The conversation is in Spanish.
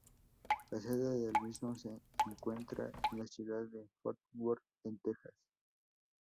La sede del mismo se encuentra en la ciudad de Fort Worth, en Texas.